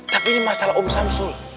tapi ini masalah om samsul